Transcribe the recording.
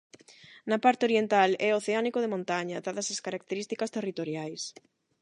Na parte oriental é oceánico de montaña, dadas as características territoriais.